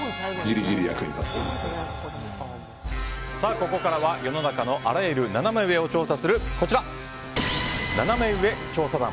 ここからは世の中のあらゆるナナメ上を調査するナナメ上調査団。